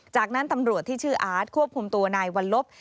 จากนั้นตำรวจที่ชื่ออาร์ตควบคุมตัวนายวัลลบ